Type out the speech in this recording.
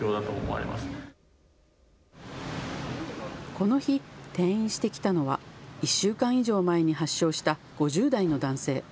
この日、転院してきたのは１週間以上前に発症した５０代の男性。